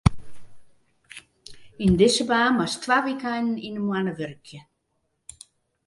Yn dizze baan moatst twa wykeinen yn 'e moanne wurkje.